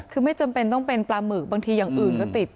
คือไม่จำเป็นต้องเป็นปลาหมึกบางทีอย่างอื่นก็ติด